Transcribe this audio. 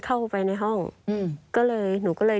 เข้าห้องเข้าตึกไปเลย